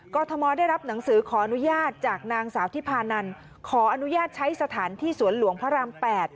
ทมได้รับหนังสือขออนุญาตจากนางสาวที่พานันขออนุญาตใช้สถานที่สวนหลวงพระราม๘